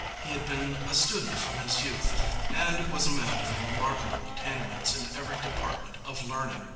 He had been a student from his youth and was a man of remarkable attainments in every department of learning.